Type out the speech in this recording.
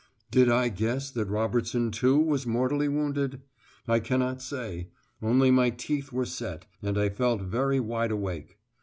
Did I guess that Robertson too was mortally wounded? I cannot say only my teeth were set, and I felt very wideawake.